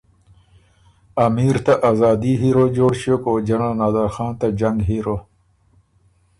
امیر ته آزادی هیرو جوړ ݭیوک او جنرل نادرخان ته جنګ هیرو۔